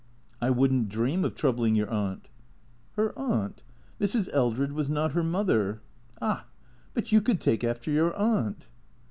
" I would n't dream of troubling your aunt." Her aunt? Mrs. Eldred was not her mother. Ah, but you could take after your aunt.